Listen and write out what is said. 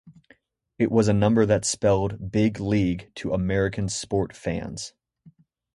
It was a number that spelled 'big league' to American sport fans.